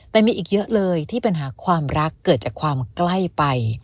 แต่มีอีกเยอะเลยที่ปัญหาความรักเกิดจากความใกล้ไป